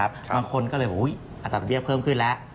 บางคนก็เลยอัตราดอกเบี้ยเพิ่มขึ้นแล้ว